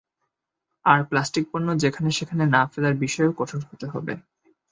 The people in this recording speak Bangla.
আর প্লাস্টিকপণ্য যেখানে সেখানে না ফেলার বিষয়েও কঠোর হতে হবে।